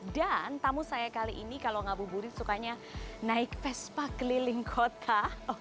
dan tamu saya kali ini kalau ngabuburit sukanya naik vespa keliling kota